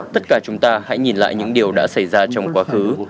tất cả chúng ta hãy nhìn lại những điều đã xảy ra trong quá khứ